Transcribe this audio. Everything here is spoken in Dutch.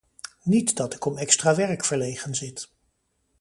Niet dat ik om extra werk verlegen zit.